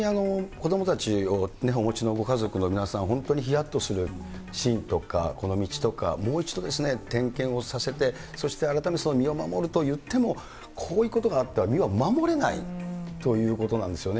本当に子どもたちをお持ちのご家族の皆さん、本当にひやっとするシーンとか、この道とか、もう一度点検をさせて、そして改めて身を守るといっても、こういうことがあっては、身は守れないということなんですよね。